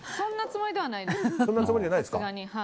そんなつもりではないです。